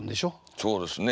そうですね